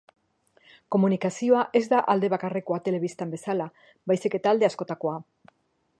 Komunikazioa ez da alde bakarrekoa telebistan bezala, baizik eta alde askotakoa.